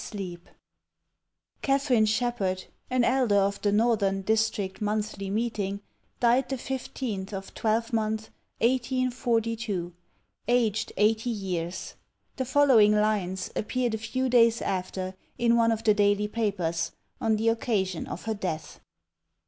NOTE 4. Catharine Sheppard, an elder of the Northern District Monthly Meeting, died the 15th of Twelfth month, 1842, aged 80 years. The following lines appeared a few days after in one of the daily papers, on the occasion of her death.